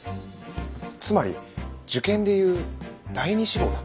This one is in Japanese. つまり受験でいう第二志望だ。